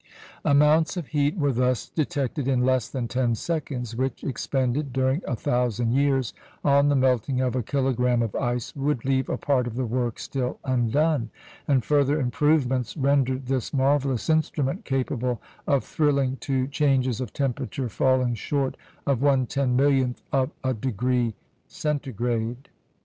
Amounts of heat were thus detected in less than ten seconds, which, expended during a thousand years on the melting of a kilogramme of ice, would leave a part of the work still undone; and further improvements rendered this marvellous instrument capable of thrilling to changes of temperature falling short of one ten millionth of a degree Centigrade.